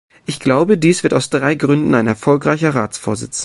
Ich glaube, dies wird aus drei Gründen ein erfolgreicher Ratsvorsitz.